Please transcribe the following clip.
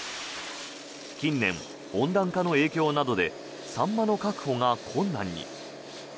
近年、温暖化の影響などでサンマの確保が困難に。